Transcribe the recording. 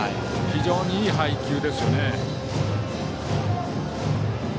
非常にいい配球ですね。